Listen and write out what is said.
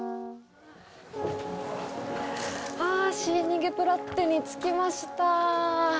あ、シーニゲプラッテに着きました。